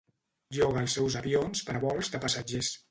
Lloga els seus avions per a vols de passatgers.